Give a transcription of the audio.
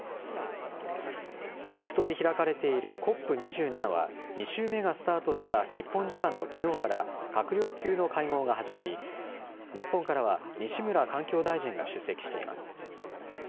エジプトで開かれているＣＯＰ２７は、２週目がスタートした日本時間のきのうから閣僚級の会合が始まり、日本からは西村環境大臣が出席しています。